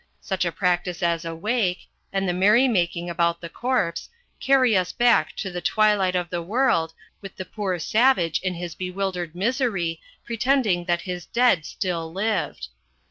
Such a practice as a wake, and the merry making about the corpse, carry us back to the twilight of the world, with the poor savage in his bewildered misery, pretending that his dead still lived.